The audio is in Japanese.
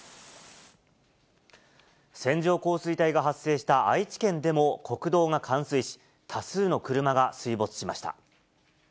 線状降水帯が発生した愛知県でも国道が冠水し、多数の車が水没しました。